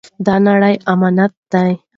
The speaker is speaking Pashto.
دا نړۍ امانت ده.